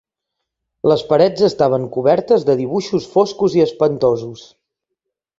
Les parets estaven cobertes de dibuixos foscos i espantosos.